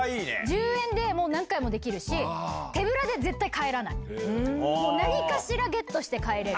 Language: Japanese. １０円で何回もできるし手ぶらで絶対帰らない何かしらゲットして帰れる。